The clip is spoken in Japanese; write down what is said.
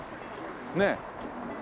ねえ。